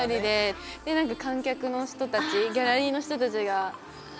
何か観客の人たちギャラリーの人たちが上で見られてて。